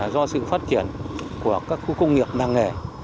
do sự phát triển của các khu công nghiệp làng nghề